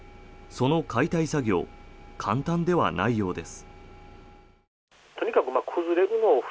その解体作業簡単ではないようです。